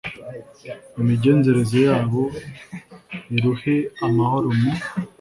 imigenzereze yabo, iruhe amahoro mu